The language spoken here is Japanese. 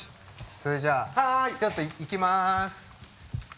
それじゃあちょっと行きます。